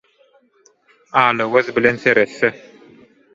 alagöz bilen seretse